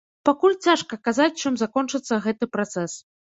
Пакуль цяжка казаць, чым закончыцца гэты працэс.